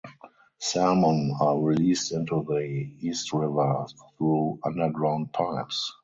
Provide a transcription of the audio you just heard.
Salmon are released into the East River through underground pipes.